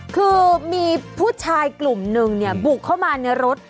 คือมีผู้ชายกลุ่มหนึ่งเนี่ยบุกเข้ามาในรถ